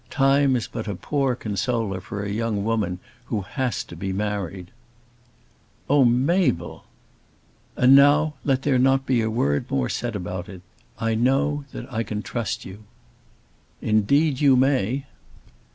Time is but a poor consoler for a young woman who has to be married." "Oh, Mabel." "And now let there be not a word more about it. I know that I can trust you." "Indeed you may."